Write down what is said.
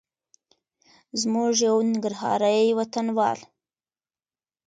زموږ یو ننګرهاري وطنوال